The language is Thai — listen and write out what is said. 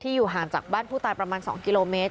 อยู่ห่างจากบ้านผู้ตายประมาณ๒กิโลเมตร